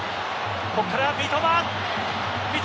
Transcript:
ここから三笘。